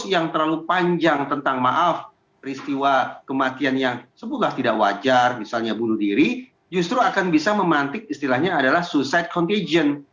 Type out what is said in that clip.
yang terlalu panjang tentang maaf peristiwa kematian yang sebugah tidak wajar misalnya bunuh diri justru akan bisa memantik istilahnya adalah suicide contagion